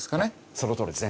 そのとおりですね。